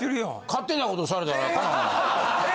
勝手なことされたらかなわん。